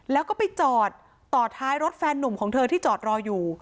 แล้วก็ไปจอดต่อท้ายรถแฟนนุ่มของเธอที่จอดรออยู่